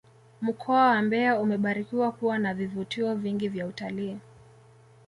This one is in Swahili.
mkoa wa mbeya umebarikiwa kuwa na vivutio vingi vya utalii